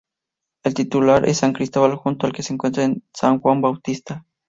El titular es San Cristóbal junto al que se encuentra San Juan Bautista.